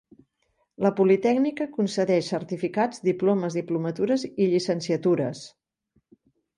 La politècnica concedeix certificats, diplomes, diplomatures i llicenciatures.